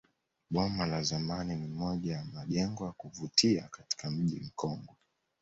Boma la zamani ni moja ya majengo ya kuvutia katika mji mkongwe